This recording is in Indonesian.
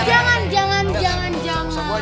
eh jangan jangan jangan jangan